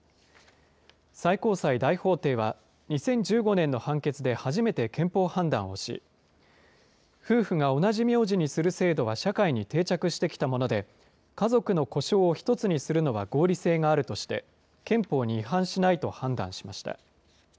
最高裁大法廷は２０１５年の判決で初めて憲法判断をし、夫婦が同じ名字にする制度は社会に定着してきたもので、家族の呼称を１つにするのは合理性があるとして、憲法に違反しないと判断しました。